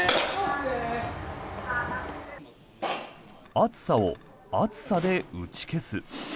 暑さを暑さで打ち消す。